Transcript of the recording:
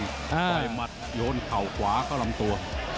ต่อยหมัดโยนเข่าขวาเข้าลำตัว